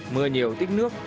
mưa nhiều tích nước